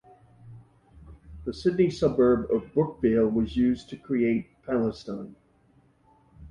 The Sydney suburb of Brookvale was used to create Palestine.